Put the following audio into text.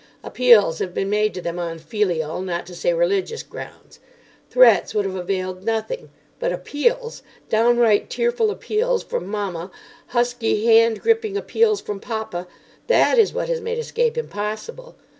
Appeals have been made to them on filial, not to say religious, grounds. Threats would have availed nothing; but appeals—downright tearful appeals from mamma, husky, hand gripping appeals from papa—that is what has made escape impossible.